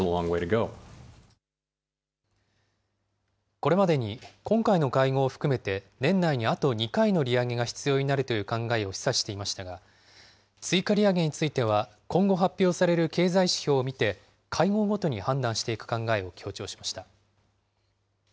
これまでに今回の会合を含めて、年内にあと２回の利上げが必要になるという考えを示唆していましたが、追加利上げについては、今後発表される経済指標を見て、会合ごとに判断していく考えを強調しました。